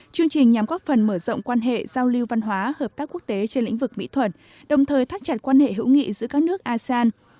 chương trình nhằm góp phần mở rộng quan hệ giao lưu văn hóa hợp tác quốc tế trên lĩnh vực mỹ thuật đồng thời thắt chặt quan hệ hữu nghị giữa các nước asean